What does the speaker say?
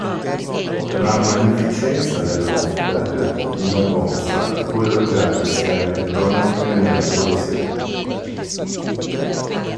La magnificenza dell"'Hoftag" di Magonza fu elogiata sia nelle cronache che nella poesia.